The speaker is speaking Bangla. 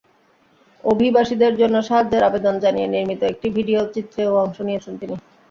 অভিবাসীদের জন্য সাহায্যের আবেদন জানিয়ে নির্মিত একটি ভিডিওচিত্রেও অংশ নিয়েছেন তিনি।